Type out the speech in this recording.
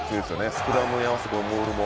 スクラムに合わせてモールも。